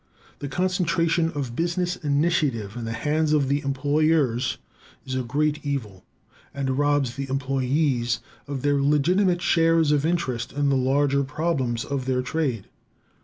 The concentration of business initiative in the hands of the employers is a great evil, and robs the employees of their legitimate share of interest in the larger problems of their trade.